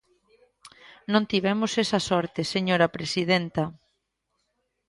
Non tivemos esa sorte, señora presidenta.